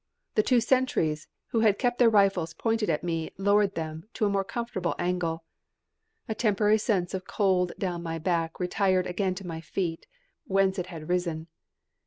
The two sentries who had kept their rifles pointed at me lowered them to a more comfortable angle. A temporary sense of cold down my back retired again to my feet, whence it had risen.